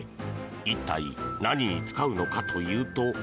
一体、何に使うのかというと。